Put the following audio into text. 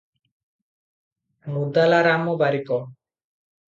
ମୁଦାଲା Ram Barik.